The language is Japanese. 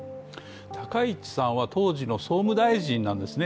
高市さんは当時の総務大臣なんですね。